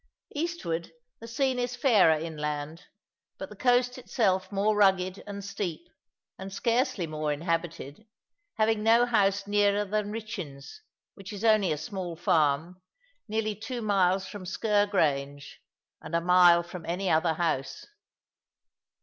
Eastward, the scene is fairer inland, but the coast itself more rugged and steep, and scarcely more inhabited, having no house nearer than Rhwychyns, which is only a small farm, nearly two miles from Sker Grange, and a mile from any other house.